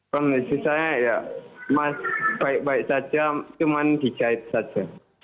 kondisi saya ya baik baik saja cuma dijahit saja